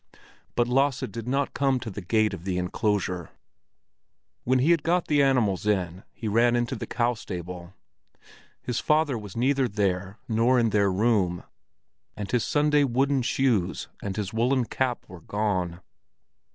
But Lasse did not come to open the gate of the enclosure. When he had got the animals in, he ran into the cow stable. His father was neither there nor in their room, and his Sunday wooden shoes and his woollen cap were gone.